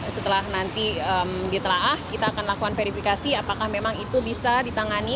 setelah nanti ditelaah kita akan lakukan verifikasi apakah memang itu bisa ditangani